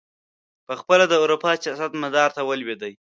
پخپله د اروپا سیاست مدار ته ولوېدی.